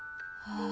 ああ！